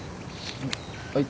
はい。